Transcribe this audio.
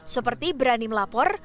seperti berani melapor